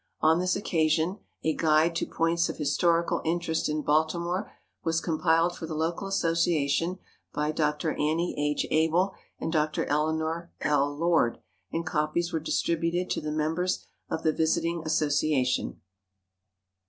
On this occasion a Guide to Points of Historical Interest in Baltimore was compiled for the local association by Dr. Annie H. Abel and Dr. Eleanor L. Lord, and copies were distributed to the members of the visiting association.